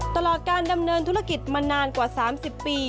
ตลอดการดำเนินธุรกิจมานานกว่า๓๐ปี